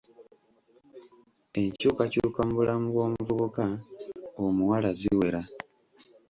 Enkyukakyuka mu bulamu bw'omuvubuka omuwala ziwera.